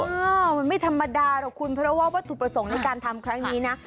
เออมันไม่ธรรมดาหรอกคุณเพราะว่าวัตถุประสงค์ในการทำครั้งนี้นะ